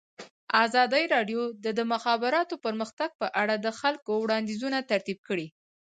ازادي راډیو د د مخابراتو پرمختګ په اړه د خلکو وړاندیزونه ترتیب کړي.